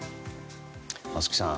松木さん